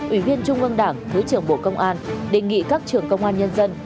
ủy viên trung ương đảng thứ trưởng bộ công an đề nghị các trường công an nhân dân